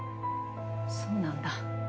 そうなんだ。